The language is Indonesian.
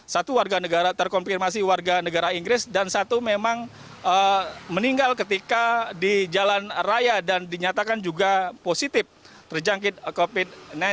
satu warga negara terkonfirmasi warga negara inggris dan satu memang meninggal ketika di jalan raya dan dinyatakan juga positif terjangkit covid sembilan belas